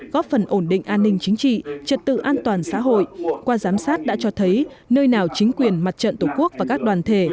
góp phần ổn định an ninh chính trị trật tự an toàn xã hội qua giám sát đã cho thấy nơi nào chính quyền mặt trận tổ quốc và các đoàn thể